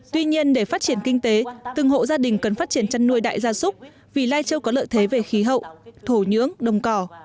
tuy nhiên để phát triển kinh tế từng hộ gia đình cần phát triển chăn nuôi đại gia súc vì lai châu có lợi thế về khí hậu thổ nhưỡng đồng cỏ